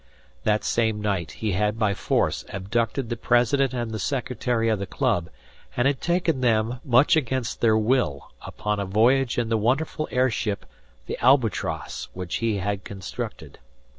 That same night he had by force abducted the president and the secretary of the club, and had taken them, much against their will upon a voyage in the wonderful air ship, the "Albatross," which he had constructed.